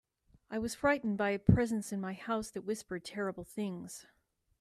I was frightened by a presence in my house that whispered terrible things.